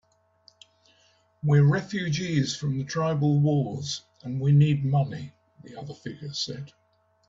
"We're refugees from the tribal wars, and we need money," the other figure said.